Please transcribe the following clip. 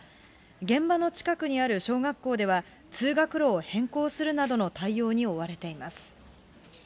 現場の近くにある小学校では、通学路を変更するなどの対応に追われています。